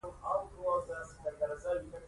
فربه تر از ایدیالوژی کتاب ته مراجعه وکړئ.